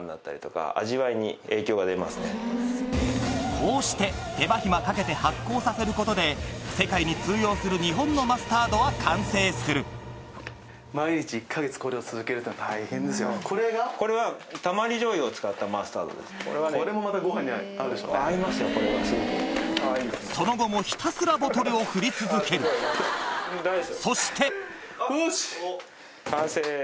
こうして手間暇かけて発酵させることで世界に通用する日本のマスタードは完成するその後もひたすらボトルを振り続けるそしてイエス！